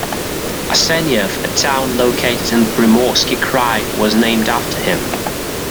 Arsenyev, a town located in Primorsky Krai, was named after him.